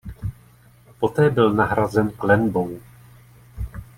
Poté byl nahrazen klenbou.